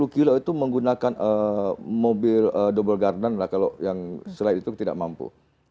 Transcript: dua puluh kilo itu menggunakan mobil double garden lah kalau yang slide itu tidak mampu